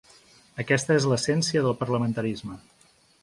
Aquesta és l’essència del parlamentarisme.